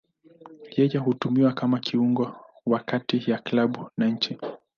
Yeye hutumiwa kama kiungo wa kati ya klabu na nchi.